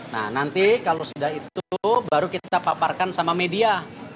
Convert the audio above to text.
nah nanti kalau sudah itu baru kita paparkan sama media